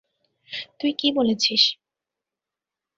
তুই কি বলেছিস?